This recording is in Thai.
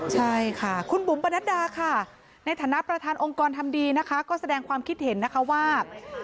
ใช่ค่ะคุณบุ๋มปนัดดาค่ะในฐานะประธานองค์กรทำดีนะคะก็แสดงความคิดเห็นนะคะว่า